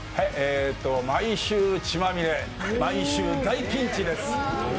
毎週、血まみれ、毎週、大ピンチです。